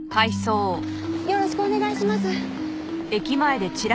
よろしくお願いします。